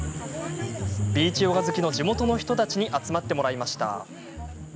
ビーチヨガ好きの地元の人たちに集まってもらいました。